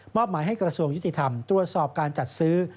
หมายให้กระทรวงยุติธรรมตรวจสอบการจัดซื้อ